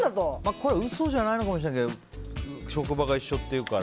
これ嘘じゃないのかもしれないけど職場が一緒っていうから。